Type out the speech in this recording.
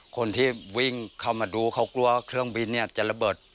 คนที่วิ่งเข้ามาดูเขากลัวเครื่องบินเนี่ยจะระเบิด